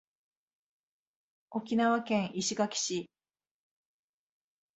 沖縄県石垣市